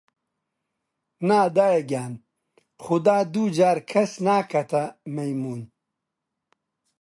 نا دایە گیان، خودا دوو جار کەس ناکەتە مەیموون!